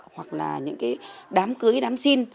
hoặc là những đám cưới